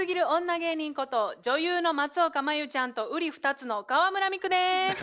芸人こと女優の松岡茉優ちゃんとうり二つの河邑ミクです。